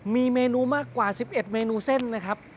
มีเมนูมากกว่า๑๑เมนูเส้นนะครับ